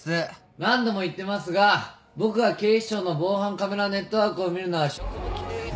何度も言ってますが僕が警視庁の防犯カメラネットワークを見るのは職務規定違反に。